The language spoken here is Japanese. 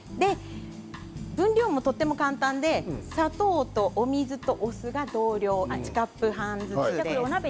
分量も、とても簡単で砂糖と、お水とお酢が同量１カップ半ずつ。